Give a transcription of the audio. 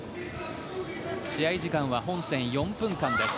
試合時間は本戦４分間です。